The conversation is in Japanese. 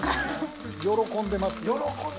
喜んでます。